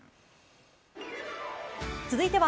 続いては。